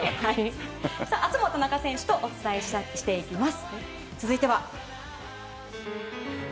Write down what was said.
明日も田中選手とお伝えしていきます。